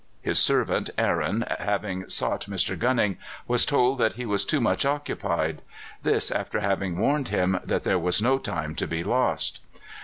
His servant, Aaron, having sought Mr. Gunning, was told that he was too much occupied. This after having warned him that there was no time to be lost!